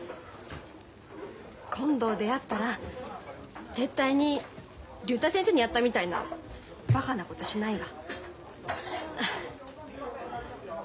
今度出会ったら絶対に竜太先生にやったみたいなバカなことしないわ。